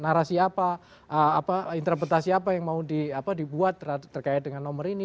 narasi apa interpretasi apa yang mau dibuat terkait dengan nomor ini